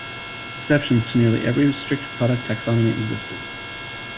Exceptions to nearly every strict product taxonomy existed.